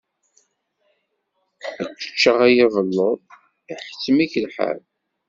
Ad k-ččeɣ a yabelluḍ, iḥettem-ik lḥal.